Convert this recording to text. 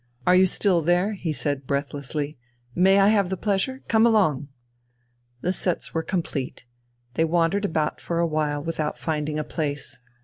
"Are you still there?" he said breathlessly.... "May I have the pleasure? Come along!" The sets were complete. They wandered about for a while without finding a place.